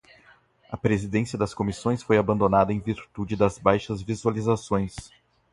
A presidência das comissões foi abandonada em virtude das baixas visualizações